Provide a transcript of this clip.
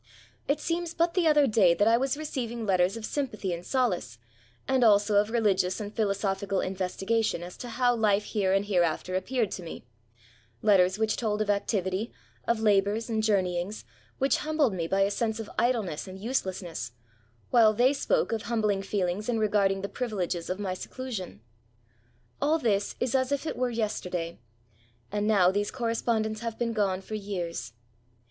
It seems but the other day that I was receiving letters of sympathy and solace, and also of religious and philosophical investigation as to how life here and hereafter appeared to me ; letters which told of activity, of labours, and journeyings, which humbled me by a sense of idleness anduselessness, while they spoke of humbling feelings in regarding the privileges of my seclusion. All this is as if it were yesterday: and now, these correspondents have been gone for years.